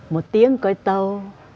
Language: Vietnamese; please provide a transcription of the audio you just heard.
một tiếng cây tàu